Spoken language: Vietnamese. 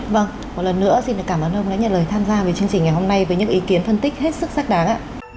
vâng một lần nữa xin cảm ơn ông đã nhận lời tham gia về chương trình ngày hôm nay với những ý kiến phân tích hết sức xác đáng ạ